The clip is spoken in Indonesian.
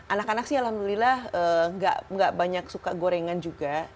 anak anak sih alhamdulillah nggak banyak suka gorengan juga